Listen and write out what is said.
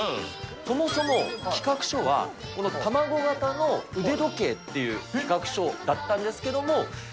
そもそも企画書は、このたまご型の腕時計っていう企画書だったんですけども。